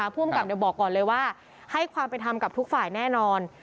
ผู้กำกับบอกก่อนเลยว่าให้ความเป็นธรรมกับทุกฝ่ายแน่นอน